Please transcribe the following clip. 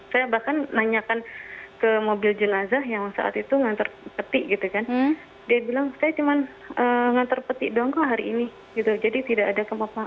saya bahkan nanyakan ke mobil jenazah yang saat itu mengantar peti dia bilang saya cuma mengantar peti doang kok hari ini jadi tidak ada pemakaman